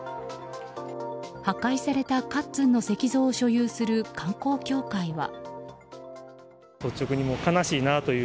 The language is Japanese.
破壊されたかっつんの石像を所有する観光協会は。